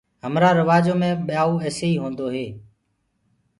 همرآ روآجو مي ٻيائوُ ايسي هوندآ هينٚ